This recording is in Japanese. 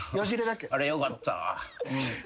あれよかった。